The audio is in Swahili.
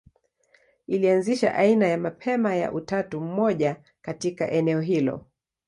Ilianzisha aina ya mapema ya utatu mmoja katika eneo hilo.